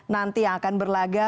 nanti yang akan berlaga